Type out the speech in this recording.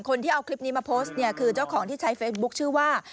คนที่เอาคลิปนี้มาโพสต์เนี่ยคือเจ้าของที่ใช้เฟซบุ๊คชื่อว่า